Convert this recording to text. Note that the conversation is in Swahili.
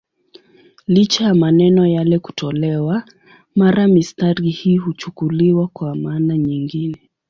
Licha ya maneno yale kutolewa, mara mistari hii huchukuliwa kwa maana nyingine.